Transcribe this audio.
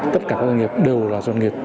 tất cả các doanh nghiệp đều là doanh nghiệp